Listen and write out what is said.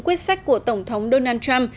quyết sách của tổng thống donald trump